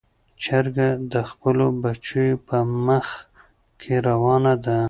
چرګه د خپلو بچیو په مخ کې روانه ده.